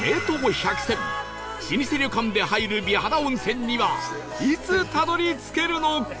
百選老舗旅館で入る美肌温泉にはいつたどり着けるのか？